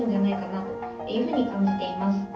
というふうに感じています。